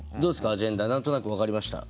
アジェンダ何となく分かりました？